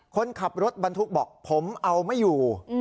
คนขับรถบรรทุกบอกผมเอาไม่อยู่